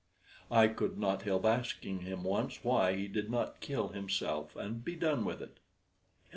I could not help asking him once why he did not kill himself, and be done with it.